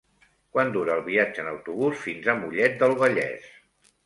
Quant dura el viatge en autobús fins a Mollet del Vallès?